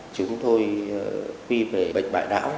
chúng tôi quy về bệnh bại não